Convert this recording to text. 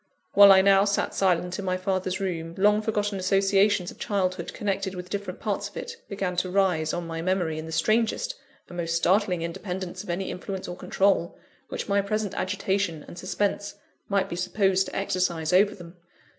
While I now sat silent in my father's room, long forgotten associations of childhood connected with different parts of it, began to rise on my memory in the strangest and most startling independence of any influence or control, which my present agitation and suspense might be supposed to exercise over them.